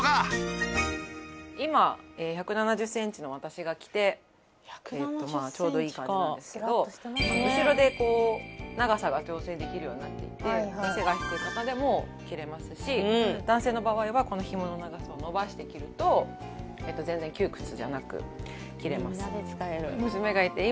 今１７０センチの私が着てちょうどいい感じなんですけど後ろで長さが調整できるようになっていて背が低い方でも着れますし男性の場合はこのひもの長さを伸ばして着ると全然窮屈じゃなく着られます。